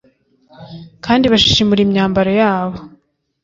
kandi bashishimura imyambaro yabo